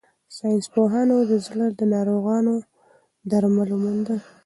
ساینس پوهانو د زړه د ناروغیو درمل وموندل.